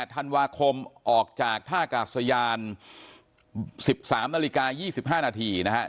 ธันวาคมออกจากท่ากาศยาน๑๓นาฬิกา๒๕นาทีนะครับ